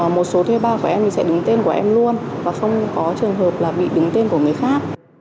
một số thuê bao của em thì sẽ đứng tên của em luôn và không có trường hợp là bị đứng tên của người khác